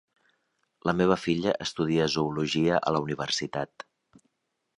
La meva filla estudia zoologia a la universitat.